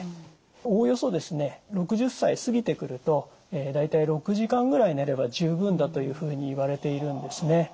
おおよそですね６０歳過ぎてくると大体６時間ぐらい寝れば十分だというふうにいわれているんですね。